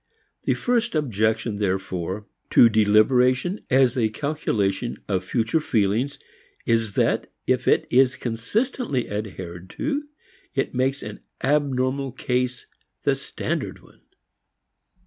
The first objection therefore to deliberation as a calculation of future feelings is that, if it is consistently adhered to, it makes an abnormal case the standard one.